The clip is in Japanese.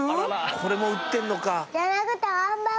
これも売ってんのか。